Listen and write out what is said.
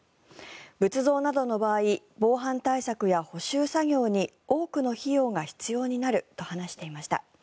仏像などの場合防犯対策や補修作業に多くの費用が必要になると話していました。